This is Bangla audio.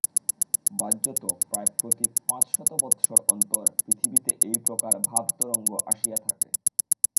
বাহ্যত প্রায় প্রতি পাঁচশত বৎসর অন্তর পৃথিবীতে এই প্রকার ভাব-তরঙ্গ আসিয়া থাকে।